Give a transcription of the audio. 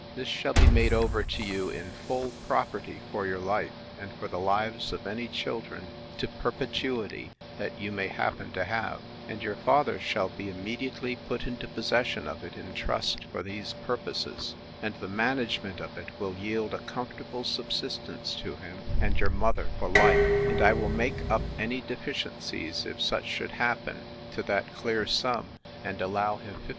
This shall be made over to you in full property for your life, and for the lives of any children to perpetuity, that you may happen to have: And your father shall be immediately put into possession of it in trust for these purposes: and the management of it will yield a comfortable subsistence to him, and your mother, for life; and I will make up any deficiencies, if such should happen, to that clear sum, and allow him 50l.